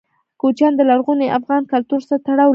کوچیان د لرغوني افغان کلتور سره تړاو لري.